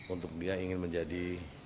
untuk dia ingin menjadi